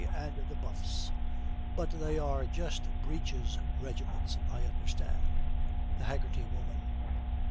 and the Buffs; but they are just breeches regiments, I understand.' THE HAGGERTY WOMAN.